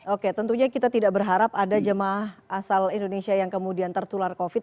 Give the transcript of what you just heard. oke tentunya kita tidak berharap ada jemaah asal indonesia yang kemudian tertular covid